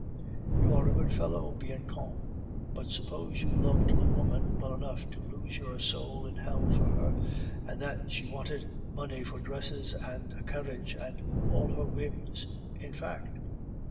"You are a good fellow, Bianchon. But suppose you loved a woman well enough to lose your soul in hell for her, and that she wanted money for dresses and a carriage, and all her whims, in fact?"